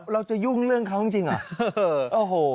เราจะยุ่งเรื่องเขาจริงเหรอ